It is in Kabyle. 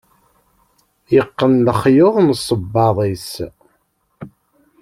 yeqqen lexyuḍ n sebbaḍ-is